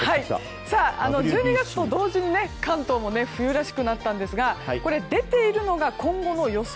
さあ、１２月と同時に関東も冬らしくなったんですが出ているのが今後の予想